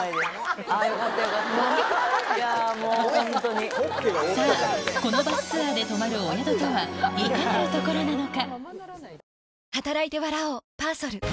私さっき、さあ、このバスツアーで泊まるお宿とは、いかなるところなのか。